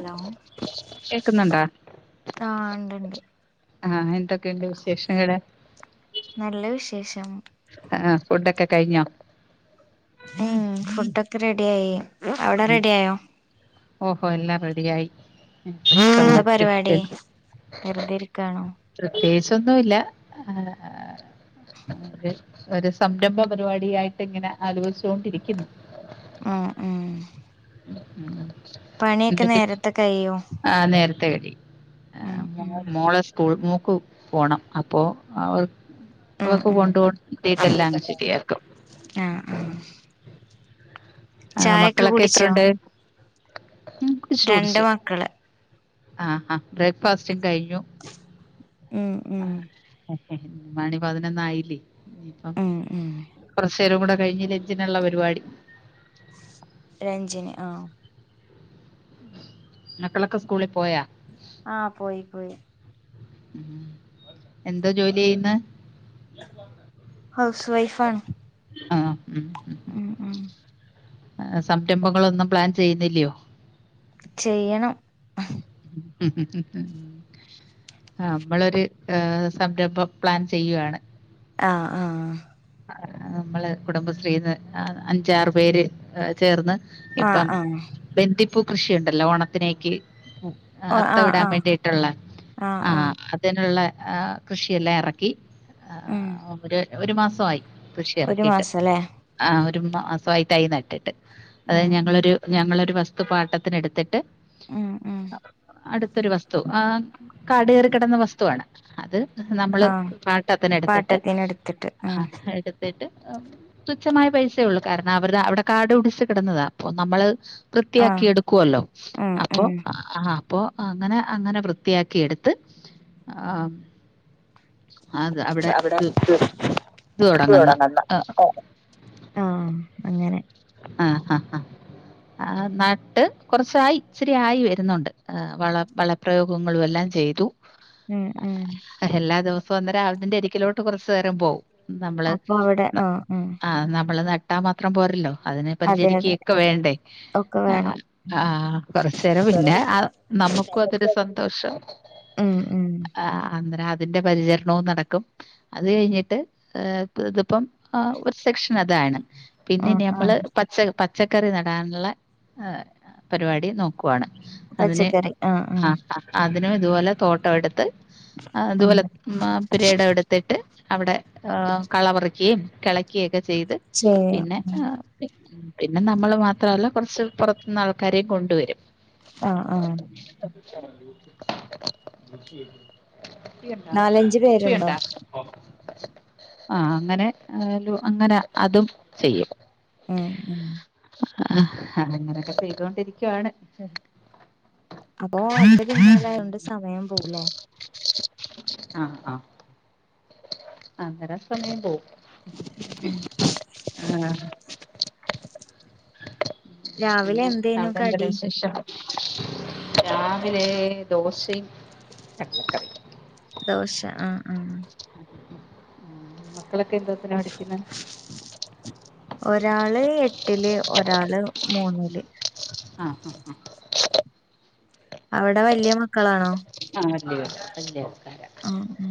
Hello കേക്കുന്നുണ്ടോ ആ ഇണ്ട്ണ്ട് ആ എന്തൊക്കെയുണ്ട് വിശേഷങ്ങള് നല്ല വിശേഷം ആഹ ഫുഡൊക്കെ കഴിഞ്ഞോ ഉം ഫുഡൊക്കെ റെഡിയായി ഔടെ ഉം. റെഡി ആയോ ഓഹോ എല്ലാം റെഡിയായി എന്താ പരിപാടി സ്വസ്ഥമായിട്ടിരിക്കാണ് വെറുതെ ഇരിക്കാണോ പ്രത്യേകിച്ചൊന്നുല്യ ആഹ് ഒരു സംരംഭ പരിപാടിയ ആയിട്ട് ഇങ്ങനെ ആലോചിച്ചുകൊ ണ്ടിരിക്കുന്നു മ് മ് എന്നിട്ട നേരത്തെ കഴിയോ ആ നേരത്തെ വടി ഉം ഉം മോളെ സ്കൂൾ മൂക്ക് പോണം അപ്പൊ അവർ ഉം അവക്ക് കൊണ്ടട്ടെല്ല എല്ലാ ങ്ങ് ശരിയാക്കും ആഹ ആഹ ആഹ മക്കളൊക്കെ എത്രുണ്ട് ടിച്ച രണ്ട് [unintelligible] മക്കള് ആഹ ആ ബ്രേക്ക്പാസ്റ്റും കഴിഞ്ഞു ഉം ആ ഉം മണി പതിനൊന്നായില്ലേ ഇപ്പം ഉം ഉം കൊറച്ചേരും കൂടെ കഴിഞ് ലഞ്ചിനുള്ള പരിപാടി ലഞ്ചിനി ആഹ മക്കളൊക്കെ സ്കൂളീ പോയാ ആഹ പോയി പോയി ഉ എന്തോ ജോലി ചെയ്യുന്ന ഹൗസ് വൈഫാണ്ണ് ആഹ ഉം ഉ ഉ സംരംഭങ്ങളൊന്നും പ്ലാൻ ചെയ്യുന്നി ല്യോ ചെയ്യണം മ് മ് മ് ആ നമ്മളരു സംരംഭം പ്ലാൻ ചെയ്യുവയാണ് ആഹ ആഹ നമ്മള് കുടുംബശ്രീന്ന് അഞ്ചാറ് പേര് ചേർന്ന് ആഹ് ഇപ്പം ആഹ് ബന്തിപ്പൂ കൃഷിയുണ്ടല്ലോ ഓണത്തിനേക്ക് അത്ത ആഹ് ഇടാൻ ആഹ് വേണ്ടിയിട്ടുള്ള ആഹ് ആഹ ആഹ് അതിനുള്ള കൃഷിയെല്ലാം ഇറക്കി ഉം ഒരു ഒരു മാസമായി കൃഷി ഒരു ഇറക്കിയിട്ട് മാസല്ലേ ആ ഒരു മാസമായി തൈ നട്ടിട്ട് ഉം അതായത് ഉം ഞങ്ങളൊരു ഞങ്ങളൊരു വസ്തു പാട്ടത്തിന ടുത്തിട്ട് ഉം ഉം അടുത്തൊരു വസ്തു ആ കാട് കയറിക്കിടന്ന വസ്തുവാണ് അത് നമ്മള് ആഹ് പാട്ടത്തിന എടുത്തിട്ട് പാട്ടത്തിന് എടുത്തിട്ട് ഉം എടുത്തിട്ട് തുച്ഛമായ പൈസയള്ളു കാരണം അവരു അവിടെ കാട പിടിച്ചു കിടന്നതാ അപ്പൊ നമ്മള് വൃത്തിയാക്കി ആഹ് എടുക്കുവല്ലോ ഉം അപ്പോ ഉം ആഹ അപ്പോ അങ്ങനെ അങ്ങനെ വൃത്തിയാക്കി എടുത്ത് ആഹ് അവിടെ ഇത് ഇത് തുടങ്ങുന്ന ആ ആഹ അങ്ങനെ ആഹ ആഹ് ആഹ നട്ട് കുറച്ചായി ഇച്ചരി ആയി വരുന്നുണ്ട് വള വളപ്രയോഗങ്ങളും എല്ലാം ചെയ്തു ഉം ഉം എല്ലാ ദിവസവും വന്ന് [unintelligible] കുറച്ച് നേരം പോവും. നമ്മള് അപ്പൊ അവിടെ ആഹ് ഉം ആ നമ്മള് നട്ടാ മാത്രം പോരല്ലോ. അതിനെ അതെ അതെ പരിചരിക്കുകയൊക്കെ വേണ്ടേ ഒക്കെ വേണം ആ കൊറച്ചു നേരം പിന്നെ ആ നമുക്കും അതൊരു സന്തോഷം. ഉം ഉം അന്നേരം അ അതിന്റെ പരിചരണവും നടക്കും. അത് കഴിഞ്ഞിട്ട് ഇതിപ്പം സെക്ഷ താണ് പിന്നെ ആഹ് ഇനി ആഹ് നമ്മള്. പച്ചക്കറി നടാനുള്ള പരിപാടി നോക്കുവാണ്. അതിന് പച്ചക്കറി ആഹ് ആ ആഹ് അതിനും ഇതുപോലെ തോട്ടം എടുത്ത് ഉം ഇതുപോലെ പുരയുടെ എടുത്തിട്ട് അവിടെ കള പറിക്കുകയും കിളക്കുകയും ഒക്കെ ചെയ്ത് ചെ പിന്നെ പിന്നെ നമ്മള് മാത്രല്ല കുറച്ച് പുറത്തുന്ന് ആൾക്കാരെയും കൊണ്ടുവരും. ആ ആഹ [inaudible] കുപ്പിയുണ്ടോ നാലഞ്ച് പേരുണ്ടോ കുപ്പിയുണ്ടോ? ആ അങ്ങനെ അങ്ങനെ അതും ചെയ്യും. ഉം ഉം ആ അതങ്ങനെയൊക്കെ ചെയ്തോണ്ടിരിക്കുവാണ്. അപ്പൊ [inaudible] സമയം പോവുല്ലെ? ആ ആഹ അങ്ങന സമയം പോകും. മം രാവിലെ പിന്നെ എന്തേനു അവിടെന്തര കടി വിശേഷം. രാവിലെ ദോശയും കടലകറിയും. ദോശ ആ ആഹ്. മക്കളൊക്കെ എന്തൊത്തിനെ പഠിക്കുന്നെ. ഒരാള് എട്ടില് ഒരാള് മൂന്നില്. ആഹ് ആഹ് ആഹ അവിടെ വലിയ മക്കളാണോ. ആഹ് വല്യ [unintelligible] ആഹ് ഉം.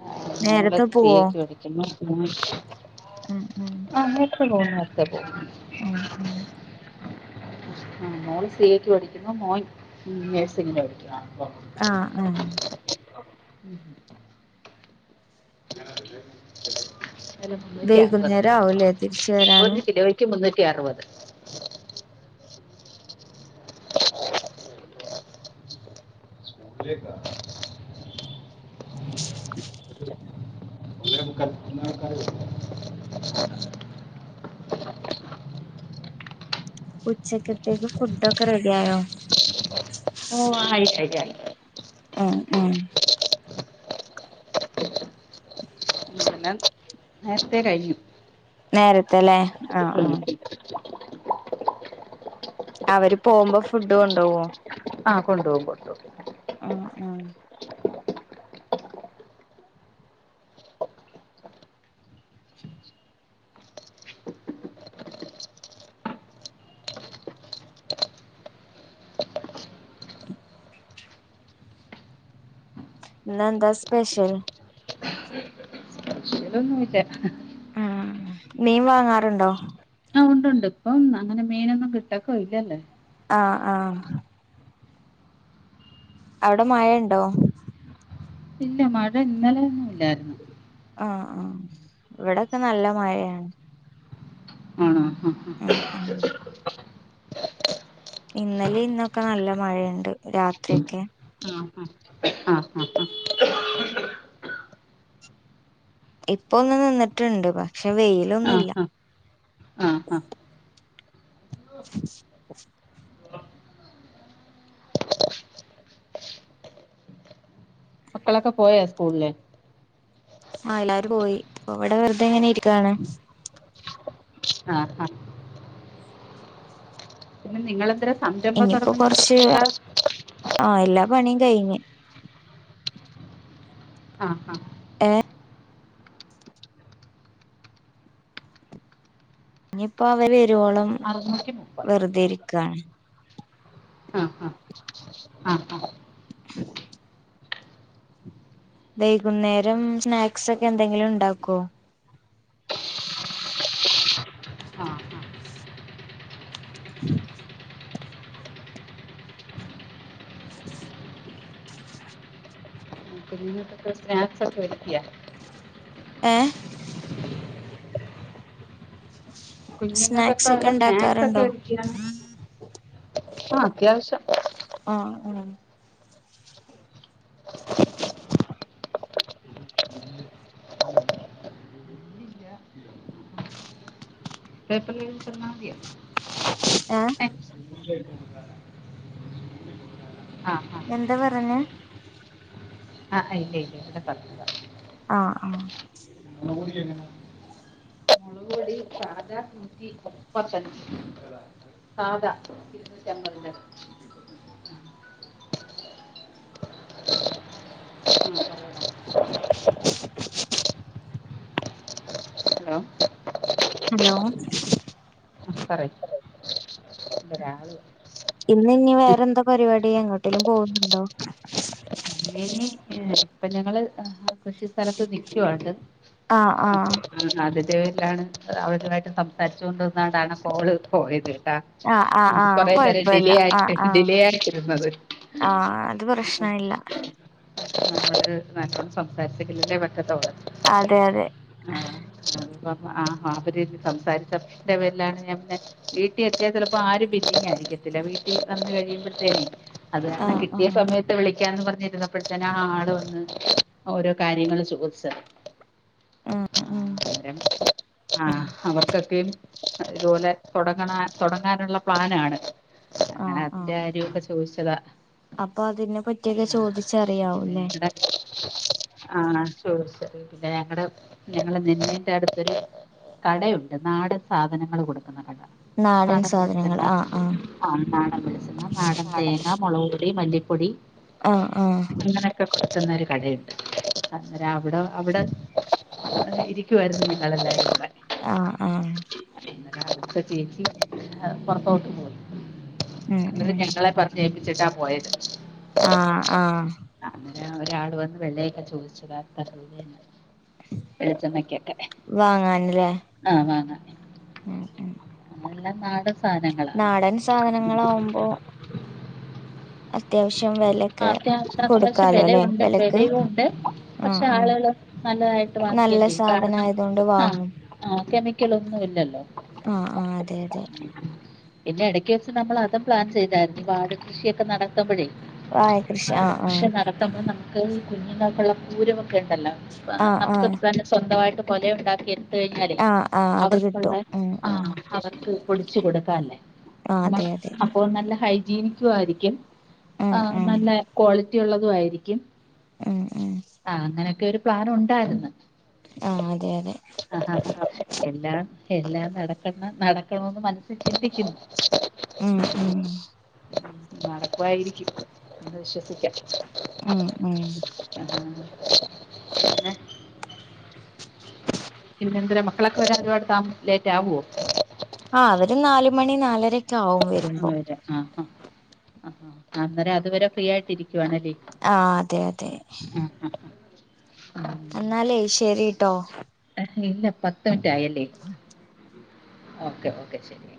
മോള് സി എ പോവോ ക്ക് പടിക്കുന്നു. പിന്നെ ഉം ഉം. ആ നേരത്തെ പോവും. നേരത്തെ പോവും. ആഹ് ഉം. ആ മോള് സി എക്ക് പഠിക്കുന്നു മോൻ ഉം നഴ്സിങ്ങീന് പഠിക്കുന്നു. ആഹ് ആഹ് [unintelligible] മുന്നൂറ്റി അറുപത്. വൈകുന്നേരം ആവൂലേ തിരിച്ച് വരാന് ഒരു കിലോയ്ക്ക് മുന്നൂറ്റി അറുപത്. [unintelligible] ഒന്നെമുക്കാൽ ഒന്നെ മുക്കാല് വ ഉച്ചക്കത്തേക്ക് ഫുഡൊക്കെ റെഡിയായോ? ഓ ആയി അയി അയി. മ് മ്. നേരത്തെേ കഴിഞ്ഞു. നേരത്തെലേ ആഹ് ആഹ്. അവര് പോവുമ്പോ ഫുഡ് കൊണ്ടോവോ? ആഹ് കൊണ്ടോകും കൊണ്ടോകും. ഉം ഉം. ഇന്നന്താ സ്പെഷ്യൽ? ശെ ഒന്നുല്യ. ആഹ് മീൻ വാങ്ങാറുണ്ടോ? ആ ഉണ്ട്ണ്ട് ഇപ്പം അങ്ങനെ മീനൊന്നും കിട്ടക്ക ഇല്ലല്ലോ. ആഹ് ആഹ് അവ്ടെ മഴ ഇണ്ടോ? ഇല്ല മഴ ഇന്നലൊന്നും ല്ലായിര്ന്നു. ആഹ് ആഹ് ഇവിടൊക്കെ നല്ല മഴേണ്. ആണോ? ഉം ഉം ഇന്നലിം ഇന്നൊക്കെ നല്ല മഴണ്ട് രാത്രി ഒക്കെ. ആഹ് ഉം ആഹ് ആഹ് ഇപ്പൊന്ന് നിന്ന്ട്ട്ണ്ട് പക്ഷെ വെയിലൊന്നുല്യ. ആഹ് ആഹ് മക്കളൊക്കെ പോയോ സ്കൂൾല്? ആഹ് എല്ലാരും പോയി അപ്പ ഇവടെ വെറുതെങ്ങനെ ഇര്ക്കാണ്. ആഹ് ആഹ് പിന്നെ നിങ്ങളെന്തെര സംരംഭം തുടന്നുന്ന്ണ്ട്ന് കേട്ടാ. ആഹ് എല്ലാ പണിം കഴ്ഞ്ഞ്. ആഹ് ആഹ് ഏഹ് ഇഞ്പ്പം അവര് വരോളം അറുന്നൂറ്റി മുപ്പത് വെർതെ ഇരിക്കാണ്. ആഹ് ആഹ് വൈകുന്നേരം സ്നാക്സൊക്കെ എന്തെങ്കിലും ഇണ്ടാക്കോ? ആ ആ. സ്നാക്സ് ഒക്കെ വെക്ക്യ. ഏഹ് സ്നാക്സ് കുഞ്ഞുങ്ങൾക്കൊക്കെ ഒക്കെ ഉള്ള സ്നാക്സ് ഒക്കെ ഇണ്ടാക്കാർണ്ടോ? ഒരുക്കിയാണ് ആ അത്യാവശ്യം. ആഹ് ഒണങ്ങി പേപ്പർല് പൊതിഞ്ഞാ മതിയോ ഏഹ് [unintelligible] ആ ഹാ എന്താ പറഞ്ഞേ? ആ ഇല്ലയില്ല ഇവിടെ പറഞ്ഞതാ ആഹ് ആഹ് [unintelligible] മൊളക് പൊടി ഇട്ടാ അതാ നൂറ്റിമുപ്പത്തഞ്ച് പാകാ ഇരുന്നൂറ്റി അമ്പതിൻ്റെ [unintelligible] ഹലോ ഹലോ പറയ് എന്തൊരാ ആള് ഇന്ന് ഇഞ് വേറെന്താ പരിപാടി എങ്ങോട്ടേലും പോകുന്നുണ്ടോ? [unintelligible] കുഞ്ഞുങ്ങള് കൃഷിസ്ഥലത്ത് [unintelligible] ആ ആ ആഹ് അതിന്റെ പേരിലാണ് അവരുമായിട്ട് സംസാരിച്ചു കൊണ്ട് ന്നിന്നാണ്ടാണ് കോള് പോയത്ട്ടോ ആഹ് ആഹ് ആഹ് കൊറേ നേരം കൊഴപ്പല്ല ഡിലേ ആഹ് ആയിട്ട് ആഹ് ഡിലേ ആയിട്ട് നിന്നത്. ആഹ് അത് പ്രശ്നയില്ല. നമ്മളിത് നല്ലോണം സംസാരിച്ചെങ്കിലേ [unintelligible] അതെ അതെ. ആഹ് [unintelligible] സംസാരിച്ചേന്റെ പേരിലാണ് ഞാൻ പിന്നെ. വീട്ടിൽ എത്തിയാൽ ചെലപ്പോ ആരും [unintelligible] വീട്ടിൽ വന്നു കയ്യുമ്പോത്തേക്കും അത് കാരണം ആഹ് കിട്ടിയ ആഹ് സമയത്ത് വിളിക്കാന്ന് പറഞ്ഞിരുന്നപ്പതേനും. ആള് വന്ന് ഓരോ കാര്യങ്ങള് ചോദിച്ചതാ ഉം [unintelligible] ആഹ് അവർക്കൊക്കെയും. ഇതുപോലെ തുടങ്ങണ തുടങ്ങാനുള്ള പ്ലാനാണ്. അങ്ങനെ ആഹ് അതിന്റെ ആഹ് കാര്യക്കെ ചോദിച്ചതാ. അപ്പൊ അതിനെ പറ്റിയല്ലെ ആ ചോദി പിന്നെ [unintelligible] ആഹ് ചോർച്ച പിന്നെ ഞങ്ങടെ ഞങ്ങളെ നെല്ലിന്റെ അടുത്തൊരു കടയുണ്ട് നാടൻ സാധനങ്ങൾ കൊടുക്കുന്ന കട. നാടൻ വെളിച്ചെണ്ണ ആഹ് നാടൻ വെളിച്ചെണ്ണ നാടൻ തേങ്ങ മുളക് പൊടി മല്ലിപ്പൊടി. ആഹ് ആഹ് ഒക്കെ കൊർച്ചുന്ന ഒരു കടയുണ്ട് അന്നേരം അവിടെ അവിടെ. [unintelligible] ഇരിക്കുവായിരുന്നുണ്ട് ഞങ്ങളെല്ലാവരൂടെ ആഹ് ആഹ് അട്ത്തെചേച്ചി എ പുറത്തോട്ട് പോയി ഉം അന്നേരം ഉം ഞങ്ങളെ പറ ഞ്ഞേപ്പിച്ചിട്ടാ പോയത് ആഹ് ആഹ് അങ്ങന ഒരാള് വന്ന് വെലയൊക്കെ ചോദിച്ചതോ [unintelligible] വെളിച്ചെണ്ണയ്ക്കൊക്കെ വാങ്ങാന്ല്ലേ ആഹ് വാങ്ങ ഉം ഉം അതെല്ലാം നാടൻ സാധനങ്ങളാണ് നാടൻ സാധനങ്ങളാവുമ്പോ അത്യാവശ്യം വെലൊക്കെ കൊടുക്ക് പക്ഷെ വെലയുണ്ട് വെലയുണ്ട് ആഹ് പക്ഷെ ആഹ് ആളുകള് നല്ലതായിട്ട് വാങ്ങിക്കേ നല്ല ചെയ്യും. കാരണം സാധനായതോണ്ട് ആഹ് വാങ്ങും ആകെമിക്കലൊന്നും ഇല്ലല്ലോ. ആഹ് ആഹ് അതെ അതെ പിന്നെ എടക്ക് വെച്ച് നമ്മൾ അതും പ്ലാൻ ചെയ്തായിരുന്നു വാഡ് കൃഷിയൊക്കെ നടക് [unintelligible] വാഴ കൃഷി നടത്തുമ്പഴെ വാഴകൃഷി വാഡ് ആഹ് കൃഷി നടത്തുമ്പം നമുക്ക് കുഞ്ഞുങ്ങൾക്കുള്ള കൂരവൊക്കെ ഉണ്ടല്ലോ പ്പ ആഹ് ആഹ് നമുക്ക് ആഹ് തന്നെ സ്വന്തമായിട്ട് കൊലയുണ്ടാക്കി ട്ട് കഴിഞ്ഞാലേ ആഹ് ആഹ് അത് കിട്ടും അവർക്കുള്ള ഉം ഉം ആഹ് അവർക്ക് പൊടിച്ചു കൊടുക്കാല്ലേ ആഹ് മ്മ അതെ അതെ അപ്പൊ നല്ല ഹൈജീനിക്കു ആയിരിക്കും ഉം ആഹ് നല്ല ക്വാളിറ്റി ഉള്ളതും ആയിരിക്കും ഉം ഉം ഉം ആഹ് അങ്ങനെയൊക്കെ ഒരു പ്ലാനുണ്ടായിരുന്ന് ആഹ് അതെ അതെ ആഹ് ആഹ് അഹ് എല്ലാം എല്ലാം നടക്കണം നടക്കണോന്ന് മനസ്സിൽ ചിന്തിക്കുന്നു ഉം ഉം നടക്കായിരിക്കും എന്ന് വിശ്വസിക്കാം ഉം ഉം ആഹ് പിന്നെ പിന്നെന്ത മക്കളൊക്കെ വരാ ഒരുപാട് താമ ലേറ്റ് ആവോ ആഹ് അവര് നാല മണി നാലരക്കേ ആഹ് വരാ ആഹ് ആഹ് ആഹ് അന്നേരം അതുവരെ ഫ്രീ ആയിട്ട് ഇരിക്കുവാണല്ലേ ആഹ് അതെ അതെ ആഹ് അഹ് എന്നാലേ ശെരിട്ടോ ഇല്ല പത്ത് മിൻറ്റ് ആയല്ലേ ഉ [inaudible] ഓക്കെ ഓക്കെ ശരി